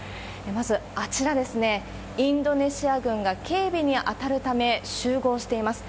まずあちらですね、インドネシア軍が警備に当たるため、集合しています。